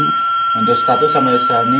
untuk status saya misalnya